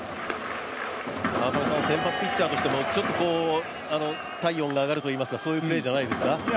川上さん、先発ピッチャーとしてもちょっと体温が上がるというか、そういうプレーじゃないですか？